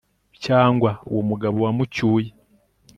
cyangwa uwo mugabo wamucyuye